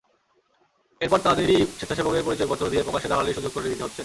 এরপর তাঁদেরই স্বেচ্ছাসেবকের পরিচয়পত্র দিয়ে প্রকাশ্যে দালালির সুযোগ করে দিতে হচ্ছে।